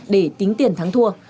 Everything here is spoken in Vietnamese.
để tính tiền thắng thua